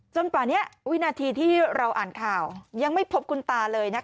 ป่านี้วินาทีที่เราอ่านข่าวยังไม่พบคุณตาเลยนะคะ